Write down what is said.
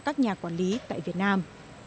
các nhà quản lý tại việt nam